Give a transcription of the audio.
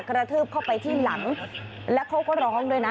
กระทืบเข้าไปที่หลังแล้วเขาก็ร้องด้วยนะ